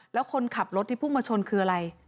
แล้วคนขับรถที่พุ่งมาชนคืออะไร